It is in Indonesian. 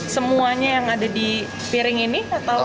semuanya yang ada di piring ini